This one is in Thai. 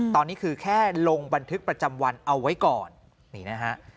ตอนนี้คือแค่ลงบันทึกประจำวันเอาไว้ก่อนนี่นะฮะ